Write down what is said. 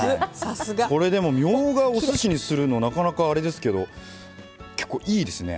これ、でもみょうがをおすしにするとなかなかあれですけど結構いいですね。